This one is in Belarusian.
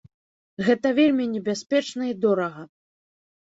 Гэта вельмі небяспечна і дорага.